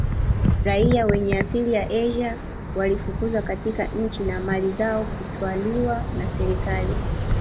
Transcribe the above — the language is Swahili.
Raia wenye asili ya eshia walifukuzwa katika nchi na mali zao kutwaliwa na serikali